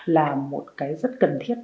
là một cái rất cần thiết